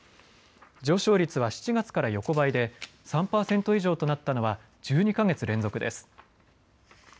上昇率は７月から横ばいで３％以上となったのは１２か月連続です。